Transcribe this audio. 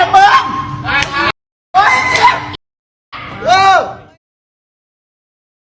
เป็นไลน์เลย